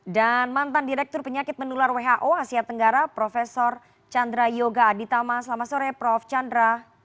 dan mantan direktur penyakit mendular who asia tenggara prof chandra yoga aditama selamat sore prof chandra